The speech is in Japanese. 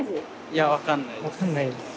いや分かんないです。